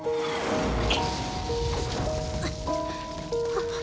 あっ。